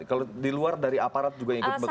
kalau di luar dari aparat juga ikut bekerja